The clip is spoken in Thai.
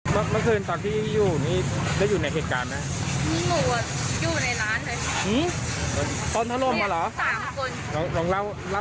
คือตอนแรกหนูก็บอกว่าให้น้องไปปิดประตู